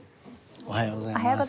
おはようございます。